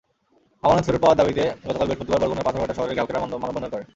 আমানত ফেরত পাওয়ার দাবিতে গতকাল বৃহস্পতিবার বরগুনার পাথরঘাটা শহরে গ্রাহকেরা মানববন্ধন করেন।